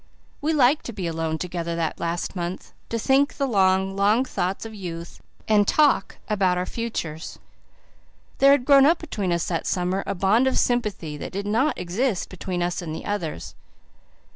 We liked to be alone together that last month, to think the long, long thoughts of youth and talk about our futures. There had grown up between us that summer a bond of sympathy that did not exist between us and the others.